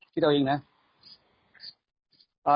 คิดเอาเองนะ